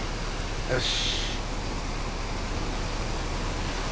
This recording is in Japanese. よし。